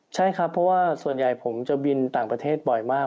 ใช่ครับเพราะว่าส่วนใหญ่ผมจะบินต่างประเทศบ่อยมาก